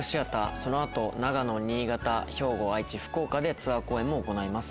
その後長野新潟兵庫愛知福岡でツアー公演も行います。